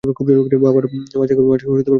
বাবার কাছে মাসের পর মাস পড়ে থাকতে হয়।